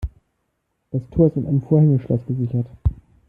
Das Tor ist mit einem Vorhängeschloss gesichert.